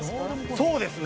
そうですね。